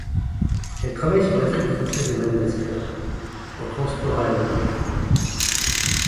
Elle travaille sur l’Afrique française et Madagascar, en transport à la demande.